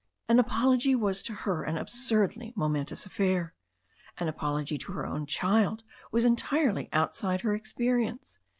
An apology was to her an absurdly momentous affair. An apology to her own child was en tirely outside her experience.